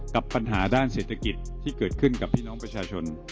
กับปัญหาด้านเศรษฐกิจที่เกิดขึ้นกับพี่น้องประชาชน